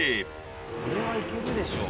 これはいけるでしょ。